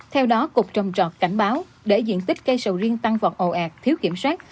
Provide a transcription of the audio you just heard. theo đó cục trồng trọt cảnh báo để diện tích cây sầu riêng tăng vọt ồ ạt thiếu kiểm soát